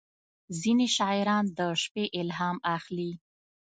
• ځینې شاعران د شپې الهام اخلي.